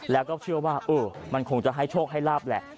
แล้วก็เชื่อว่ามันคงจะให้โชคให้ลาบแหละ